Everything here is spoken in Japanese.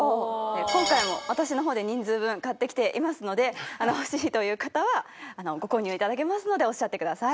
今回も私の方で人数分買ってきていますので欲しいという方はご購入頂けますのでおっしゃってください。